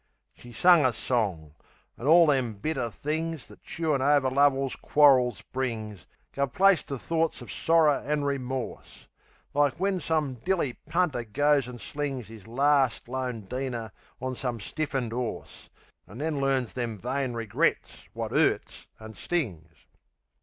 She sung a song; an' orl them bitter things That chewin' over lovers' quarrils brings Guv place to thorts of sorrer an' remorse. Like when some dilly punter goes an' slings 'Is larst, lone deener on some stiffened 'orse, An' learns them vain regrets wot 'urts an' stings.